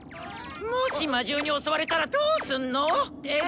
もし魔獣に襲われたらどーすんの？え？